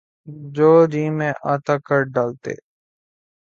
جو جی میں آتا کر ڈالتے۔